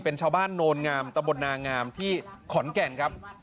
เป็นชาวบ้านโนนงามตะบลนางามที่ขอนแก่นครับ